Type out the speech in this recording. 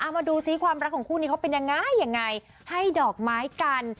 มาดูซิความรักของคู่นี้เขาเป็นยังไงยังไงให้ดอกไม้กัน